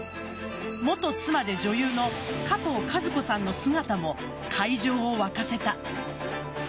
元妻で女優のかとうかず子さんの姿も会場を沸かせた。